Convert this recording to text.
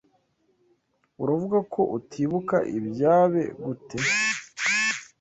Uravuga ko utibuka ibyabe gute?